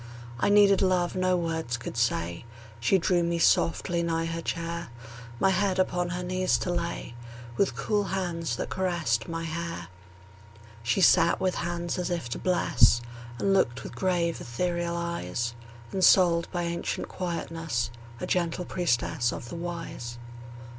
I needed love no words could say; She drew me softly nigh her chair, My head upon her knees to lay, With cool hands that caressed my hair. She sat with hands as if to bless, And looked with grave, ethereal eyes; Ensouled by ancient quietness, A gentle priestess of the Wise.